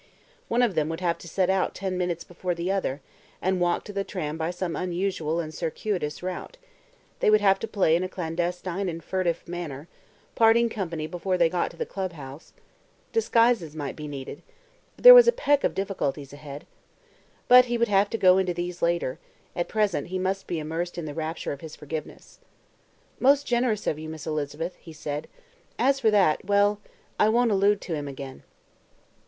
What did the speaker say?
One of them would have to set out ten minutes before the other, and walk to the tram by some unusual and circuitous route; they would have to play in a clandestine and furtive manner, parting company before they got to the club house; disguises might be needful; there was a peck of difficulties ahead. But he would have to go into these later; at present he must be immersed in the rapture of his forgiveness. "Most generous of you, Miss Elizabeth," he said. "As for that well, I won't allude to him again."